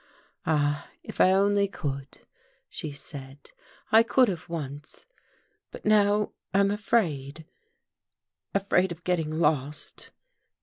"Ah, if I only could!" she said. "I could have once. But now I'm afraid afraid of getting lost."